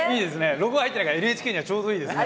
ロゴ入ってないからＮＨＫにはちょうどいいですね。